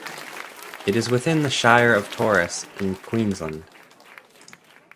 It is within the Shire of Torres in Queensland.